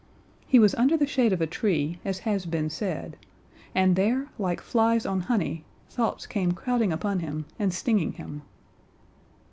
He was under the shade of a tree, as has been said, and there, like flies on honey, thoughts came crowding upon him and stinging him.